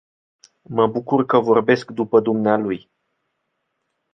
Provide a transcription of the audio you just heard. Mă bucur că vorbesc după dumnealui.